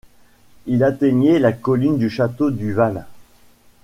Il atteignait la colline du château du Valle.